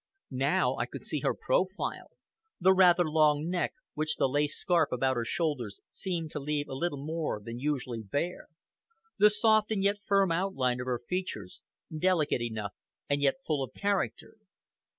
Now I could see her profile the rather long neck, which the lace scarf about her shoulders seemed to leave a little more than usually bare; the soft and yet firm outline of features, delicate enough and yet full of character.